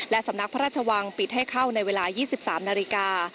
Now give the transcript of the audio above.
สำนักพระราชวังปิดให้เข้าในเวลา๒๓นาฬิกา